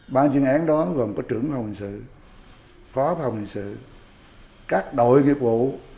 bang chương án đó gồm có trưởng phòng hình sự có phòng hình sự các đội nghiệp vụ